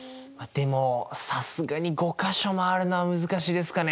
でもさすがに５か所周るのは難しいですかね。